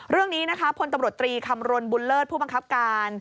เรื่องนี้พตศบุญเลิศผู้บังคับการ